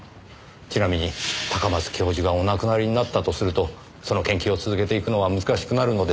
ちなみに高松教授がお亡くなりになったとするとその研究を続けていくのは難しくなるのでしょうかねぇ。